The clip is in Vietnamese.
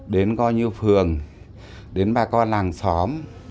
đến coi như phường đến bà con làng xóm